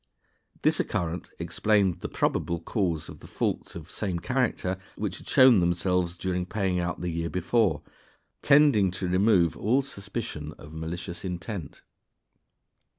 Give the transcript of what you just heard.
This occurrence explained the probable cause of the faults (of same character) which had shown themselves during paying out the year before, tending to remove all suspicion of malicious intent.